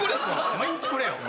毎日これよ。